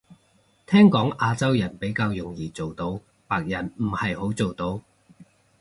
聽講亞洲人比較容易做到，白人唔係好做到